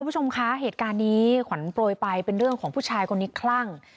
คุณผู้ชมคะเหตุการณ์นี้ขวัญโปรยไปเป็นเรื่องของผู้ชายคนนี้คลั่ง